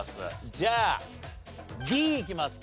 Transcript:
じゃあＤいきますか。